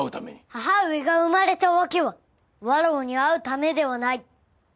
母上が生まれた訳は「わらわに会うため」ではない。